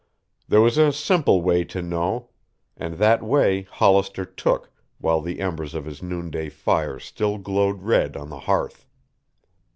There was a simple way to know, and that way Hollister took while the embers of his noonday fire still glowed red on the hearth.